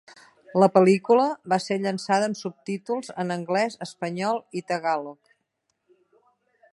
La pel·lícula va ser llançada amb subtítols en anglès, espanyol i tagàlog.